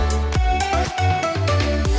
oke kita peliting ya